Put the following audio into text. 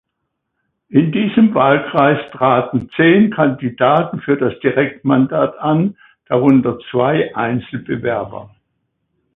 In diesem Wahlkreis traten zehn Kandidaten für das Direktmandat an, darunter zwei Einzelbewerber.